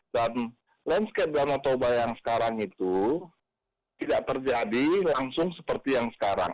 dan landscape danau toba yang sekarang itu tidak terjadi langsung seperti yang sekarang